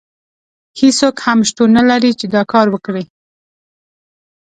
هیڅوک هم شتون نه لري چې دا کار وکړي.